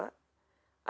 ada orang tua